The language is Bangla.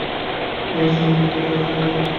হঠাৎ শুনিতে পাওয়া যায় আজ বিকালেই দল আসিবে।